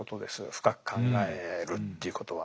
深く考えるということは。